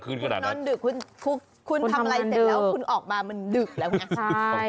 ขนาดนอนดึกคุณทำอะไรเสร็จแล้วคุณออกมามันดึกแล้วไง